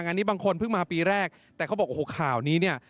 นี้บางคนเพิ่งมาปีแรกแต่เขาบอกโอ้โหข่าวนี้เนี่ย